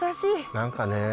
何かね。